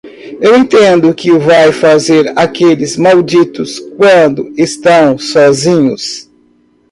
Eu entendo o que vai fazer aqueles malditos quando estão sozinhos.